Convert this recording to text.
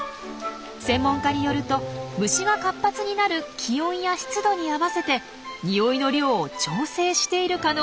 専門家によると虫が活発になる気温や湿度に合わせて匂いの量を調整している可能性も考えられるんです。